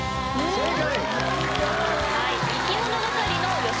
正解！